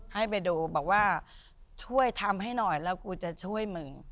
ให้ไปดูบอกว่าช่วยทำให้หน่อยแล้วกูจะช่วยมึง